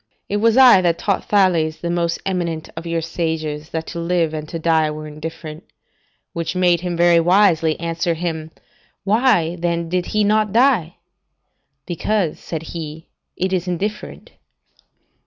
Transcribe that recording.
It was I that taught Thales, the most eminent of your sages, that to live and to die were indifferent; which made him, very wisely, answer him, 'Why then he did not die?' 'Because,' said he, 'it is indifferent.